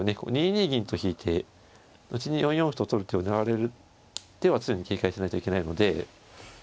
２二銀と引いて後に４四歩と取る手を狙われる手は常に警戒しないといけないので。